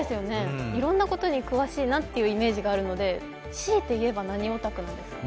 いろんなことに詳しいなというイメージがあるので、強いていえば何オタクなんですか？